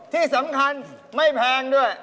ที่สำคัญไม่แพงด้วย